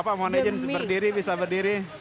bapak mau nilainya berdiri bisa berdiri